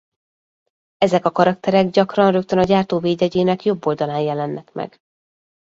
Ezek a karakterek gyakran rögtön a gyártó védjegyének jobb oldalán jelennek meg.